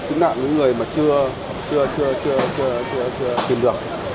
kiếm nạn những người mà chưa chưa chưa chưa chưa chưa tìm được